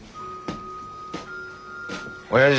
おやじ。